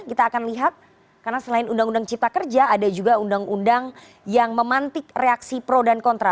kita akan lihat karena selain undang undang cipta kerja ada juga undang undang yang memantik reaksi pro dan kontra